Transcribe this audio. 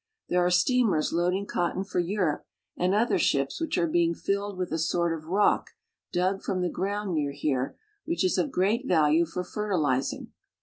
There are steamers loading cotton for Europe, and other ships which are being filled with a sort of rock dug from the ground near here, which is of great value for fertilizing.